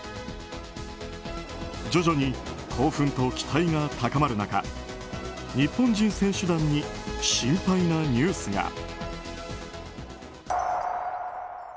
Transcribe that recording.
徐々に興奮と期待が高まる中日本人選手団に心配なニュースが。